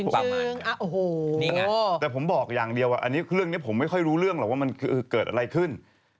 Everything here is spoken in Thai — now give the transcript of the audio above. ประมาณค่ะนี่แหละแต่ผมบอกอย่างเดียวว่าเรื่องนี้ผมไม่ค่อยรู้เรื่องหรอกว่ามันเกิดอะไรขึ้น